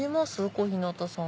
小日向さん。